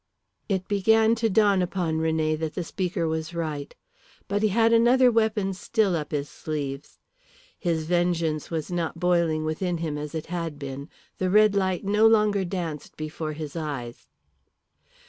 It began to dawn upon René that the speaker was right. But he had another weapon still up his sleeves. His vengeance was not boiling within him as it had been, the red light no longer danced before his eyes.